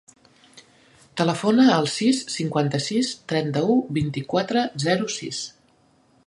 Telefona al sis, cinquanta-sis, trenta-u, vint-i-quatre, zero, sis.